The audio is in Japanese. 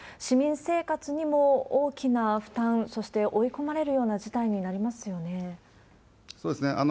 市民生活にも大きな負担、そして追い込まれるような事態になりますよね。